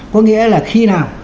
có nghĩa là khi nào